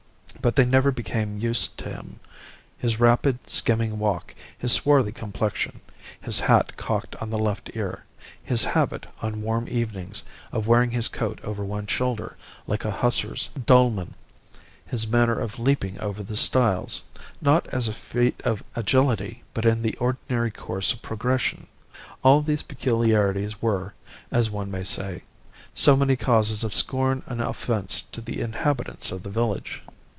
But they never became used to him. His rapid, skimming walk; his swarthy complexion; his hat cocked on the left ear; his habit, on warm evenings, of wearing his coat over one shoulder, like a hussar's dolman; his manner of leaping over the stiles, not as a feat of agility, but in the ordinary course of progression all these peculiarities were, as one may say, so many causes of scorn and offence to the inhabitants of the village.